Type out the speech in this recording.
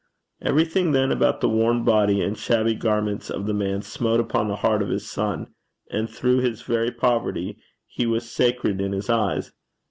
Everything then about the worn body and shabby garments of the man smote upon the heart of his son, and through his very poverty he was sacred in his eyes.